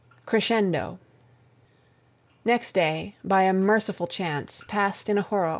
CRESCENDO! Next day, by a merciful chance, passed in a whirl.